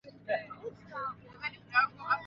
Alipanga foleni kuchukua chanjo